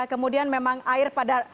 kemudian memang air pada